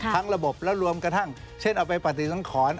ทั้งระบบและรวมกระทั่งเช่นเอาไปปฏิสังขรรค์